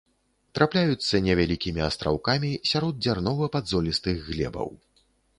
Трапляюцца невялікімі астраўкамі сярод дзярнова-падзолістых глебаў.